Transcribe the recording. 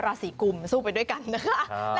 ราศีกุมสู้ไปด้วยกันนะคะ